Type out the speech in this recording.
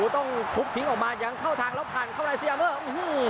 ต้องทุบทิ้งออกมายังเข้าทางแล้วผ่านเข้าในสยาเมอร์